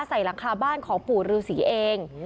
หลังคาบ้านของปู่ฤษีเอง